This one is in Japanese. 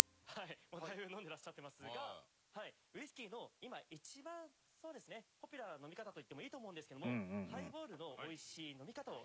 もうだいぶ飲んでいらっしゃってますがウイスキーの今一番そうですねポピュラーな飲み方と言ってもいいと思うんですけどもハイボールの美味しい飲み方を紹介していきたいと思います。